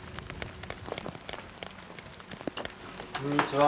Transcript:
こんにちは。